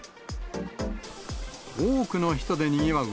多くの人でにぎわう